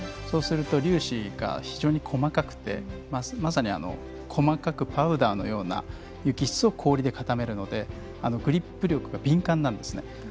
そうすると粒子が非常に細かくてまさに、細かくパウダーのような雪質を氷で固めるのでグリップ力が敏感なんですね。